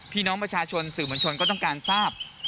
พี่น้องประชาชนสื่อมวลชนก็ต้องการทราบ